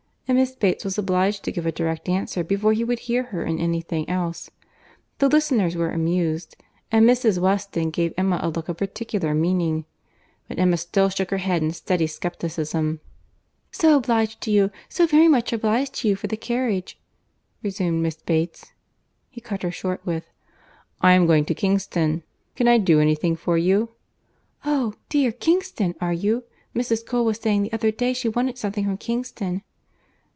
And Miss Bates was obliged to give a direct answer before he would hear her in any thing else. The listeners were amused; and Mrs. Weston gave Emma a look of particular meaning. But Emma still shook her head in steady scepticism. "So obliged to you!—so very much obliged to you for the carriage," resumed Miss Bates. He cut her short with, "I am going to Kingston. Can I do any thing for you?" "Oh! dear, Kingston—are you?—Mrs. Cole was saying the other day she wanted something from Kingston."